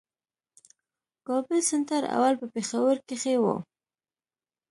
کابل سېنټر اول په پېښور کښي وو.